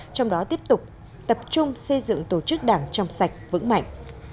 trong đó tiếp tục tập trung xây dựng tổ chức đảng trong sạch vững mạnh